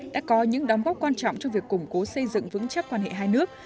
đã có những đóng góp quan trọng cho việc củng cố xây dựng vững chắc quan hệ hai nước